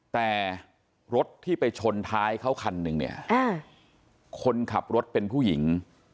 แต่รถที่ไปชนท้ายเขาคันหนึ่งเนี่ยคนขับรถเป็นผู้หญิง